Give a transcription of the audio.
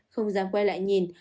không dám quay lại nhìn